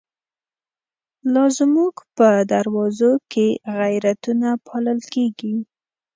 لازموږ په دروازوکی، غیرتونه پالل کیږی